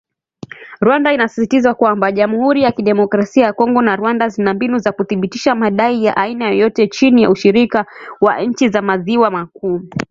Rwanda inasisitizwa kwamba “Jamuhuri ya Kidemokrasia ya Kongo na Rwanda zina mbinu za kuthibitisha madai ya aina yoyote chini ya Ushirika wa Nchi za Maziwa Makuu